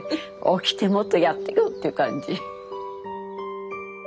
起きてもっとやってよという感じ。